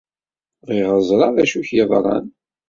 Bɣiɣ ad ẓreɣ d acu ay ak-yeḍran...